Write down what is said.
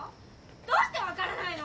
どうして分からないの！